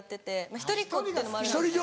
１人っ子ってのもあるんですけど。